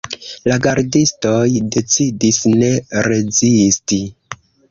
La gardistoj decidis ne rezisti.